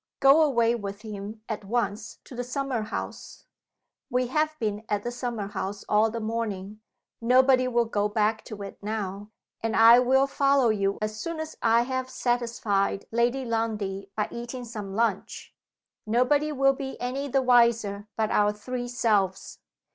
Go away with him at once to the summer house (we have been at the summer house all the morning; nobody will go back to it now), and I will follow you as soon as I have satisfied Lady Lundie by eating some lunch. Nobody will be any the wiser but our three selves.